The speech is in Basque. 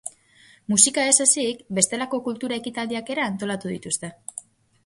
Musika ez ezik, bestelako kultura ekitaldiak ere antolatu dituzte.